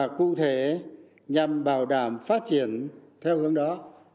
cụ thể nhằm bảo đảm phát triển theo hướng đó